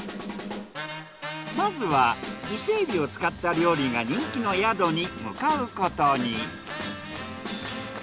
まずは伊勢海老を使った料理が人気の宿に向かうことに。